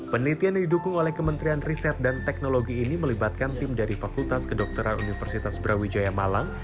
penelitian yang didukung oleh kementerian riset dan teknologi ini melibatkan tim dari fakultas kedokteran universitas brawijaya malang